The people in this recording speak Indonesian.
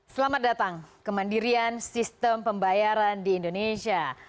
selamat datang kemandirian sistem pembayaran di indonesia